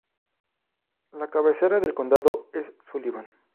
La cabecera del condado es Sullivan.